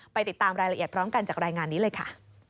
ติดตามรายละเอียดพร้อมกันจากรายงานนี้เลยค่ะ